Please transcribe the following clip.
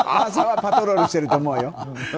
パトロールしてると思うよ。